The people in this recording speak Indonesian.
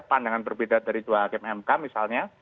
pandangan berbeda dari dua hakim mk misalnya